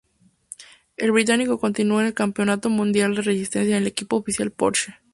El británico continuó en el Campeonato Mundial de Resistencia en el equipo oficial Porsche.